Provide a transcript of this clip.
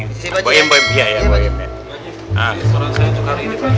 tambah seribu sembilan ratus lima puluh pagi ya